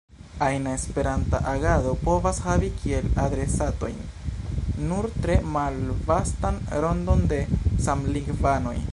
Ajna Esperanta agado povas havi kiel adresatojn nur tre malvastan rondon de samlingvanoj.